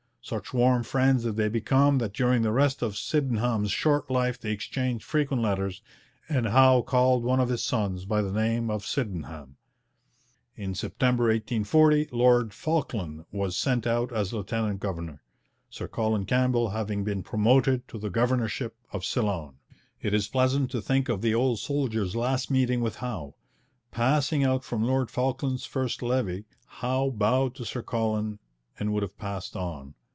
Such warm friends did they become that during the rest of Sydenham's short life they exchanged frequent letters, and Howe called one of his sons by the name of Sydenham. In September 1840 Lord Falkland was sent out as lieutenant governor, Sir Colin Campbell having been 'promoted' to the governorship of Ceylon. It is pleasant to think of the old soldier's last meeting with Howe. Passing out from Lord Falkland's first levee, Howe bowed to Sir Colin and would have passed on.